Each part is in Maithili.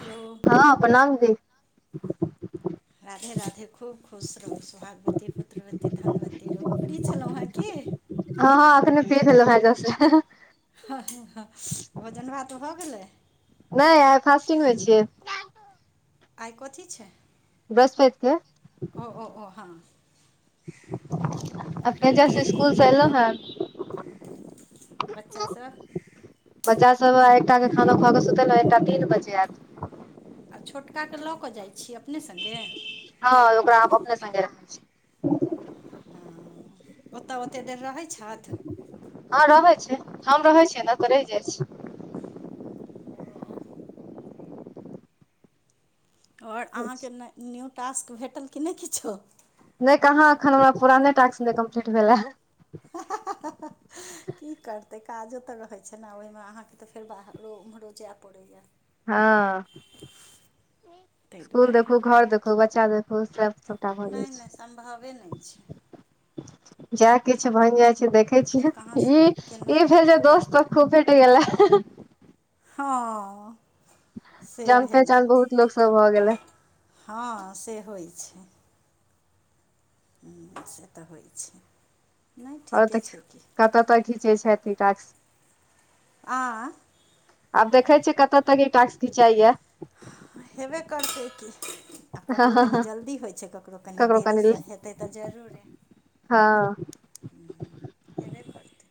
हेलो हँ प्रणाम दिदि राधे राधे खूब खुश रहु सुहाग भगवती पुत्रवती धनवती रहु फ्री छलहुँ हेँ की हँ हँ एखन सुति क उठलहूँ ह हह भोजन भात भऽ गेलै नहि आई फास्टिंग मे छियै आइ कथी छै बृहस्पति के ओ ओ ओ हँ अपने जास इसकुलसँ एयलहुँ हन बच्चा सभ बच्चा सब एकटा के खाना खा के सुतेलहु एकटा तीन बजे आयत आ छोटकाकेँ लऽ कऽ जाइत छी अपने संगे हँ ओकरा आ अपने सगे रखै छिय हँ ओतऽ ओतेक देर रहै छथि हँ रहै छै हम रहै छियै ने तऽ रहि जाइत छै आओर अहाँके न्यू टास्क भेटल कि नहि किछो नहि कहाँ एखन हमरा पुराने टास्क नहि कम्प्लीट भेलै हाय हा हा हह की करतै काजो तऽ रहैत छै ने ओहिमे अहाँकेँ तऽ फेर बाहरो ओम्हरो जाय पड़ैए हँ ताहि इसकुल दुआरे देखू घर देखू बच्चा देखु सब सबटा भऽ जाइ नहि नहि सम्भवे नहि छै जा किछु बनि जाइ छै देखै छियै ओतेक कहाँसँ ई केना ई भेल जे करतै दोस्त खूबेट गेलाह हँ अ जान पहचान बहुत लोकोग सब भऽ गेलै हँ से होइ छै हुँ से तऽ होइ छै नहि आओर ठीके तऽ छै की कत तऽ घीचे छथि इ टास्क आँय आब देखे छियै कतऽ तक ई टाक्स खिचाइया हेबे करतै की आब ककरो कनि जल्दी होइ छै ककरो कनि देरीसँ हेतै तऽ जरूरे हँ ह हेबे करतै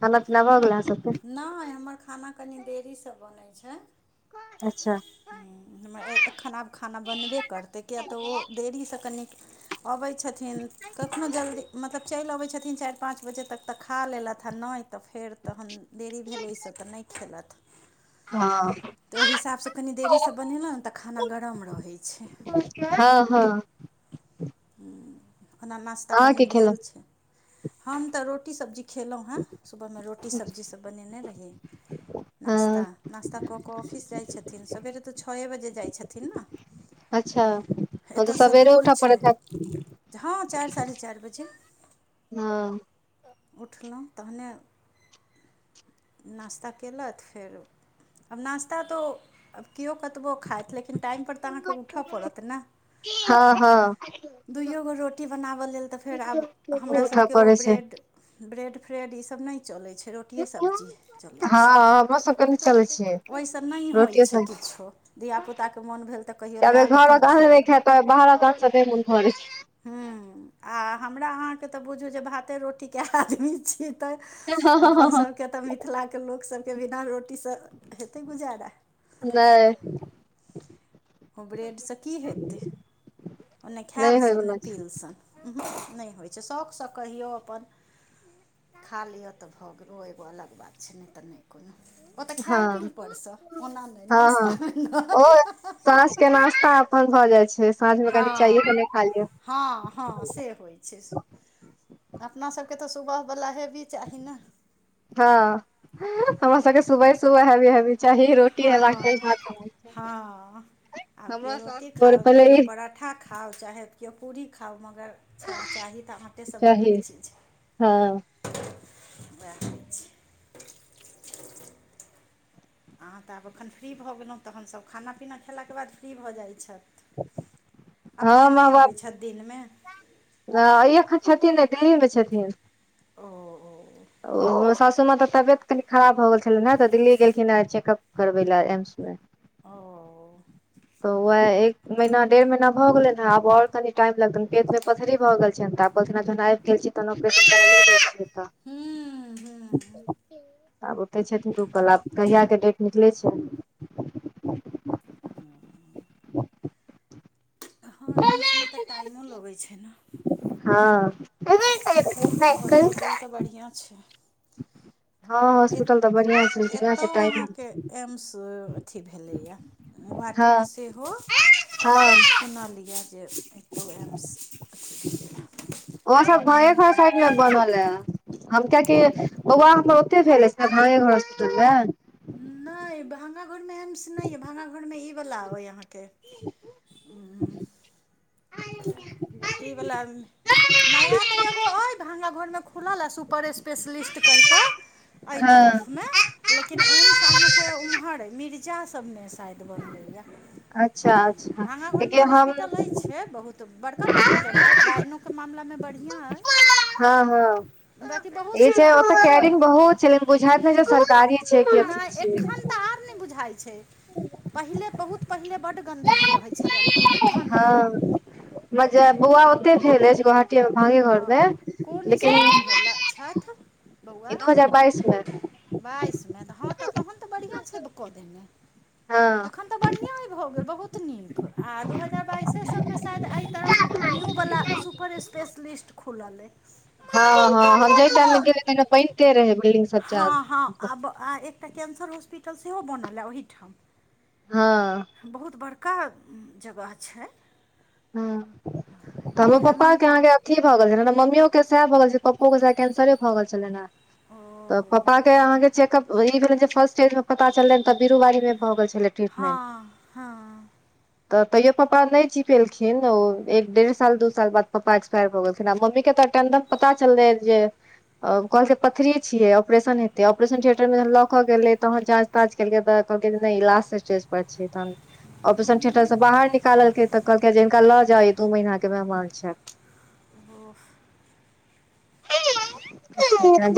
खाना पीना भ गेलय अहाँ सभ कें नहि हमर खाना कनि देरीसँ बनैत छै अच्छा हमर एखन आब खाना बनबे करतै किएक तऽ ओ देरीसँ कनि अबै छथिन कखनो जल्दी मतलब चलि अबै छथिन चारि पाँच दस बजे तक तऽ खा लेलथि आओर नहि तऽ फेर तहन देरी भेल ओहिसँ तऽ नहि खेलथि हँ तऽ ओहि हिसाबसँ कनि देरीसँ बनेलहुँ ने तऽ खाना गरम रहै छै हँ हँ खना नश्ता पानि अहाँके खेलौं भेल छै हम तऽ रोटी सब्जी खेलहुँ हँ सुबहमे रोटी सब्जी सब बनेने रहिय हँ नास्ता नास्ता कऽ कऽ ऑफिस जाइ छथिन सबेरे तऽ छओ बजे जाइ छथिन ने अच्छा ह तऽ एतयसँ सबेरे दूर उठ छै पड़ैत हायत हँ चारि साढ़े चारि बजे हँ उठलहुँ तहने नाश्ता कयलथि फेर आब नाश्ता तऽ आब केओ कतबो खाइत लेकिन टाइमपर तऽ अहाँकेँ उठय पड़त ने हँ हँ दुइओ गो रोटी बनाबय लेल तऽ फेर आब उठऽ हमरासके ओ पड़ै छै ब्रेड ब्रेड फ्रेड ईसब नहि चलै छै रोटि सबजी चलै छै हँ हम स कहल चल छै ओहिसँ नहि होइ रोटिये छै सब्जी किछो धियापुताके मोन भेल तऽ कहियो लायल अपन खेलक बाहर जातैन थोड़ हँ आ हमरा अहाँके तऽ बुझू जे भाते रोटी कए आदमी छी तऽ अपन सभके तऽ मिथिलाके लोकसभके बिना रोटीसँ हेतै गुजारा नहि ओ ब्रेडसँ की हेतै ओ नहि खायल होय सन बला नहि छै पील सन नहि होइ छै शौखसँ कहियौ अपन खा लिअ तऽ भऽ गेलौ एगो अलग बात छै नहि तऽ नहि कोनो ओतय हँ खायल पीलए पड़स ओना नहि हँ हँ नाश्तामे ओ नहि साँझ के नाास्ता अपन भऽ जाइ छै साँझ मे कनि चायए तऽ हँ नहि खा लियौ हँ हँ से होइ छै अपना सबके तऽ सुबहवला हेबी चाही ने हँ हमरा सबके सुबह सुबह हेबी हेबी चाय रोज हँ हँ आब केओ हमरो साउस रोटी भोर खाउ पहिले केओ ई पराठ पाड़ाठा खाउ चाहे केओ पूड़ी खाउ मगर चाय चाही तऽ आँटेसँ चाही बनबै छी हँ उएह हो छै अहाँ तऽ आब एखन फ्री भऽ गेलहुँ तऽ हमसभ खाना पीना खेलाके बाद फ्री भऽ जाइत छथि अपने हँ नहि मगाप अबै छथि दिनमे [unintelligible] अ एखन छथिन ने दिल्ली मे छथिन ओ ओ सासू माँ तऽ तबियत कनि खराब भऽ गेल छल हेँ तऽ दिल्ली गेलखिन हँ चेकअप कररबैला एम्स मे ओ तऽ उएह एक महिना डेढ़ महीना भऽ गेलै हे आब आओर कनि टाइम लगतनि पेटमे पथरी भऽ गेल छनि तऽ आब ओहिना जन आबि गेल छी तहन तऽ आपरेशन हूंम्म आब ओते छथिन रूकल आब कहिय के डेट निकलै छै ओ हँ एम्समे तऽ टाइमो लगैत छै ने हँ बढ़ियाँ छै हँ एत हॉस्पिटल तऽ बढ़िया छै बढ़िया एतय छै टाइम अहाँके एम्स अथी भेलैए हँ गोआहाटीमे सेहो हँ सुनलिये जे एतहु एम्स अथी भऽ गेलए ओ सब घरे घर साइड मे बनल हे हम कियाकि बौआ हमरा ओते भेल अछि ने [unintelligible] घर हॉस्पिटलमे नै भंगा घर मे एमस न ये भांगा घर मे ई वाला वहाँ के के ई वला नया तऽ एगो अइ भंगरा घर मे खुलल आ सुपर स्पेशलिस्ट कहि कऽ एहि हँ तरफमे लेकिन एम्स अहाँके उम्हर मिर्जा सब नेस शायद बनलैयए अच्छा अच्छा भागाघरमे कियाकि तऽ हम हॉस्पिटल अछि बहुत बड़का हॉस्पिटल अय गायनोक के मामला मे बढ़िआं हइ हँ हँ ई सारा छै आब ओतऽ तऽ कैयरिंग बहुत छै लेकिन बुझयत नै ह्म जे सरकारी छै अथी नहि छै एखन तऽ आर नहि बुझाइ छै पहिले बहुत पहिले बड्ड गन्दगी रहै छलै लेकिन एखन हँ नय बौआ ओते भेल अछि गुवाहाटी कुट मांगे घरमे कोन लेकिन ईस्वीमे भेल छथि बौआ दू हजार बाइस मे बाइसमे त हँ तऽ तहन तऽ बढ़िआँ छै कऽ देने हँ एखन तऽ बढ़िआँ हो गेल बहुत नीक आ दू हजार बाइसे सबमे शायद एहि तरफ न्यू वला सुपर स्पेश लिस्ट खुलल अइ हँ हँ हम जाहि ओपनिंग टाइममे गेलै त पहिनिते रहे बिलडिंग सब हँ हँ आब आ एकटा कैंसर हॉस्पिटल सेहो बनल एइ ओहिठाम हँ बहुत बड़का जगह छै ह तऽ हमर पप्पा के हेमन्त अहां के की भऽ गेल छलन्हि हें ने मम्मियो के सएह भऽ गेल छल पप्पो के सह कैंसरे भऽ गेल छलै ह ने ओ तऽ पापा के अहाँके चेकअप ई भेल जे फर्स्ट एड मे पता चललै तऽ बीरू बारी मे भऽ गेल छलै ट्रीटमेंट हँ हँ तऽ तैयो पप्पा नहि छी पेलखिन ओ एक डेढ़ साल दू साल बाद पप्पा एक्सपायर भऽ गेलथिन आ मम्मी के तम पता चललै जे कहलक पथररी छियै ऑपरेशन हेते ऑपरेशन थेटर मे ज लऽ के गेल तहाँ जाँच ताज केलकै तऽ कहलकै नहि ई लास्ट स्टेज पर छ तहन ऑपरेशन थियेटर से बाहर निकाललकै तऽ कहलकै जिनका लऽ जाउ दू महीना के मेहमान छथि ओ [inaudible]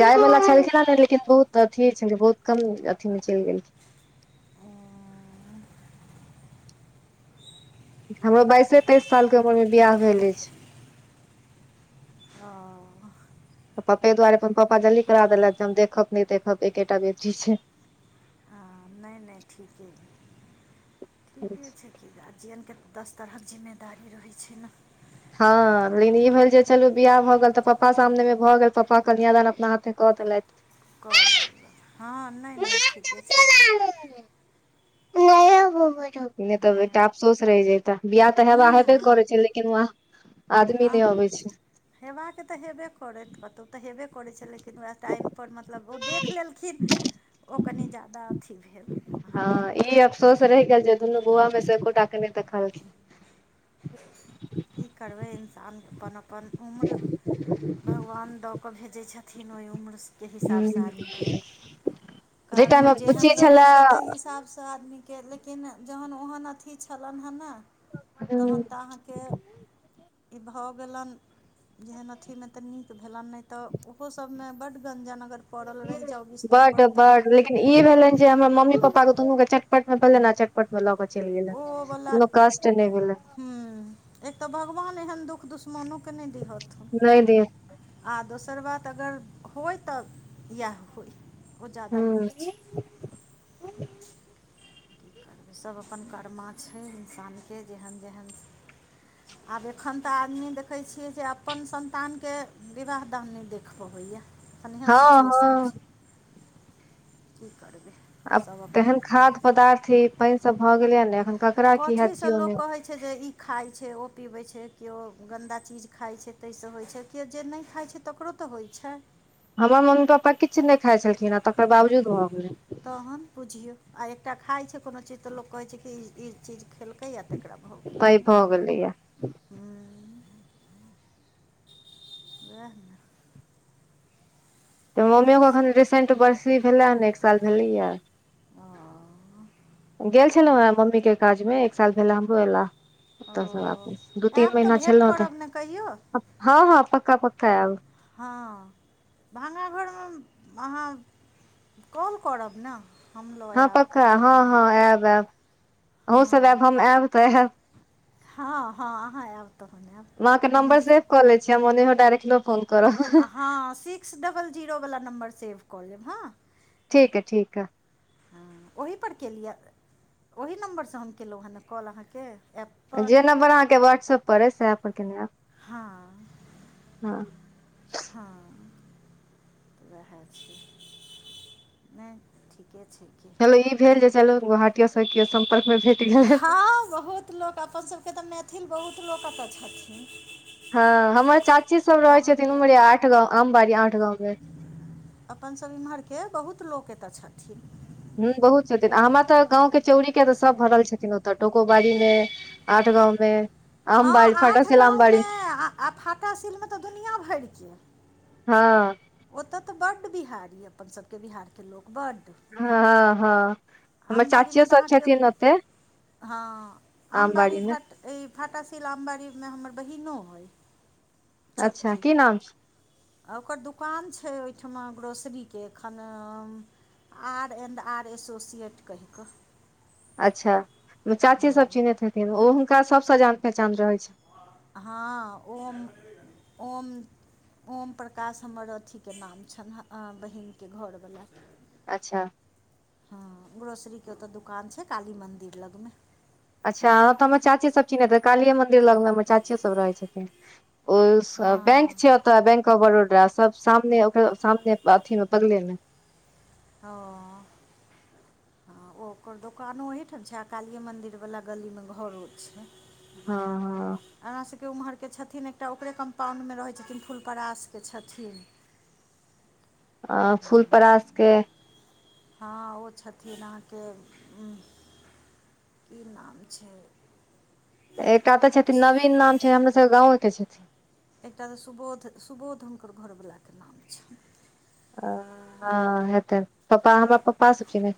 जाय बाला छलखिन लेकिन बहुत अथी छल बहुत कम अथी मे चलि गेलखिन ओ हमरो बाइसे तेइस सालके उमरमे बियाह भेल अछि ओ पप्पे दुआरे अपन पप्पा जल्दी करा देलथि जे हम देखब नहि देखब एकेटा बेटी छै हँ नहि नहि ठीके ठीके छै कि गार्जियनके दस तरहक जिम्मेदारी रहै छै ने हँ लेकिन ई भेल जे चलू वबियाह भऽ गेल तऽ पप्पा सामनेमे भऽ गेल पप्पा कन्यादान अपना हाथे कऽ देलथि कऽ लबै हँ नहि नहि ठीके छै कि नय तऽ नहि बेटा अफसोस रहि जताे बियाह तऽ हे हूँ वहे पे हूँ करै छै लेकिन वह आदमी नहि अबै छै हेबाके तऽ हेबे करत कतहु तऽ हेबे करै करै छलेकिन उएह टाइमपर मतलब ओ देख लेलखिन ओ कनि ज्यादा अथी भेल अहाँके सोस रहि गेल छै जे धनू बुआमे से एको टा नहि देखल खिन की करबै इंसान अपन अपन उम्र भगवान दऽ कऽ भेजै छथिन ओहि उम्रके हिसाबसँ आदमीके जाहि कार टाइम मे बुच्ची जेहन रहे छले छै ताहि हिसाब से आदमी के ले लेकिन जहन ओहन अथी छलनि हँ ने [inaudible] तखन तऽ अहाँके ई भऽ गेलनि जेहन अथीमे तऽ नीक भेलनि नहि तऽ ओहो सभमे बड गञ्जन अगर पड़ल रहि जाउ बड बिस्तरपर तऽ बड लेकिन ई भेलनि जे हमर मम्मी पपापा के दुनू के चटपट मे भेलनि ने चपट मे लऽ के चलि गेले कोनो कस्ट नहि भेले हँ एक तऽ भगवान एहन दुःख दुश्मनोके नहि दिहथि हन नहि दे आ दोसर बात अगर होय तऽ इएह होय ओ ज्यादा ह नीक छै [inaudible] की करबै सभ अपन कर्मा छै इंसानके जेहन जेहन आब एखन तऽ आदमी देखै छियै जे अपन संन्तानके विवाह दाम नहि देख पबैए हनिहन हँ सिचुएशन हँ की करबे आब तेहन खाद्य पदार्थ ई पानि सब भऽ गेल या ने एखन ककरा की हयत कथीसँ केओ लोक नहि कहै छै जे ई खाइ छै ओ पीबै छै केओ गन्दा चीज खाइ छै ताहिसँ होइ छै कि जे नहि खाइत छै तकरो तऽ होइत छै हमर मम्मी पपापा किछु नहि खाइत छलखिन ह तकर बावजूद भऽ गेलै तहन बुझियौ आ एकटा खाइ छै कोनो चीज तऽ लोक कहै छै कि ई चीज खेलकैए तकरा भऽ गेलैया पैघ ने भऽ गेलैये ह उएहे नै तऽ इएह मम्मियओे एखन रिसेंट सब बर्सी भेलैनि ने एक साल भेलैए ओ गेल छलहुँ हें मम्मी के काज मे एक साल भेला हमरो एला ओ ओतऽ से वापिस दू तीन आयब तऽ महिना छल भेँट त करब ने कहियो हँ हँ पक्का पक्का आब हँ भ्गाघरमे अहाँ कॉल करब ने हम लऽ हँ आयब पक्का कतऽ हँ रहब हँ हँ ऐब तऽ हैब हँ हँ अहाँ आयब तहन आयब ओना कलिय आ म नहि डर्ट न फन हँ सिक्स डबल जीरोवला नम्बर सेव कऽ लेब हँ ठीक यह ठीक हँ ओहिपर केलियै ओहि नम्बरसँ हम केलहुँ हँ ने कॉल अहाँके एप जेम्बर अहाँके व्हट्सप पर अ सेह पर केनेयब हँ हँ हँ उएह छी नहि ठीके छै कि चलो ई भेल जे चलो गोहाटी के सम्पर्क मे भेज हँ बहुत लोक अपनसभके तऽ मैथिल बहुत लोक एतय छथिन हँ हमर चाची सब एतऽ रहैत छथिन अहाँके उमहर आठ गाँव आमबाड़ी आठ गाँवमे अपन सभ इमहरके बहुत लोक एतऽ छथिन ह बहुत छथिन आ हमरा तऽ गाँंव के चौरी के तऽ सब भरल छथिन ओतऽ टोकोबाड़ी मे आठ गाँवमे हँ आठ गाँवमे आ फातशीलमे तऽ दुनिआँ भरिके हँ ओतय तऽ बड्ड बिहार यए अपनसभके बिहारके लोक बड्ड हँ हँ हमर चाचियो आमबाड़ीमे तऽ सब अहाँके छथिन ओते हँ आमबड़ी आमबाड़ी मे फट ई फाटा सीलमबाड़ीमे हमर बहिनो अइ अच्छा छोटकी की नाम छै आ ओकर दोकान छै ओहिठिमा ग्रोसरीकेखन आर एंड आर एसोसिएट कहि कऽ अच्छा चाचीसभ हँ चिन्हैत हथिन ओ हुनका सभसँ जान पहचान रहै छनि हँ ओम ओम ओम प्रकाश हमर अथीके नाम छन हँ बहिनके घरवला अच्छा हँ ग्रोसरी के ओते दुकान छै काली मंदिर लग मे अच्छा तऽ हमर चाचीसभ छी ने तऽ कालिये मन्दिर लगमे हमर चाचियोसभ रहै छथिन ओ बैंक हँ छै बैंक ऑफ बड़ोदा सब सामने ओकरा सामने अथी मे बगले मे हँ हँ ओ ओकर दोकानो ओहठाम छै आ कालिये मन्दिरवला गलीमे घरो छै हँ हँ हमरासभके ओम्हरके छथिन एकटा ओकरे कम्पाउणडमे रहै छथिन फुलपरासके छथिन आ फूलपरश के हँ ओ छथिन अहाँके की नाम छै कतऽ छथिन नवीन नाम छै हमर सभके गाँवेके छथिन एकटा तऽ सुबोध सुबोध हुनकर घरवलाके नाम छनि हँ हेतै पप्पा हमरा पप्पा सब छै ने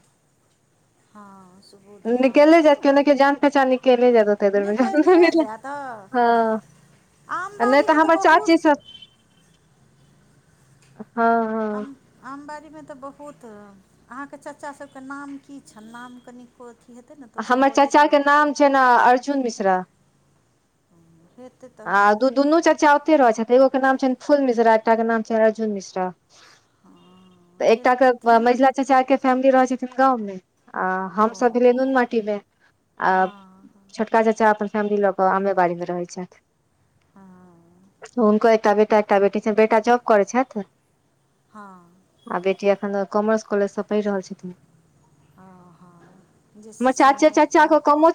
हँ सुबोध नाम निकले छनि जायत केन कि ओहिठमा जान पहचान निकले जायत ओतेक देरमे निकलिए जान जाएत आम हँ नहि बाड़ीमे तऽ तऽह चाचीस बहुत हँ हँ आमबाड़ीमे तऽ बहुत अहाँके चाचास सभके नाम की छनि नाम कनि प खी हेत ने तऽ ओसब हमर बजैत चाचाके रहै छनि नाम छै ने अर्जुन मिश्रा हेतै आ दू तऽ दुनू चचा कते रहै छथि एगो के नाम छनि फूल मिश्रा एकटा के नाम छनि अरजुन मिश्रा हँ तऽ एकटाे हेथिन महिला चाचाके फैमिली रहैत छथिन गाँवमे अ ओ हम सभी लेनन मटमे अ हँ छोटका चा्चा अपन फैमिली लऽ कऽ आमे बाड़ीमे रहैत छथि आ हुनको एकटा बेटा एकटा बेटी छनि बेटा जब करै छथि हँ आ बेटी एखन कॉमर्स कॉलेजसँ पढ़ि रहल छथिन हँ हँ जे सी सी चाचा मे चाचा के एतऽ कमो